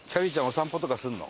お散歩とかするの？